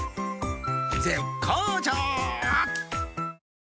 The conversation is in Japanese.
絶好調。